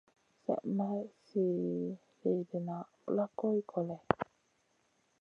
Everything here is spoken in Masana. Slèh ma zi léhdéna plak goy koloy.